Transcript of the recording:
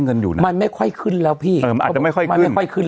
อยู่นะมันไม่ค่อยขึ้นแล้วพี่เออมันอาจจะไม่ค่อยมันไม่ค่อยขึ้น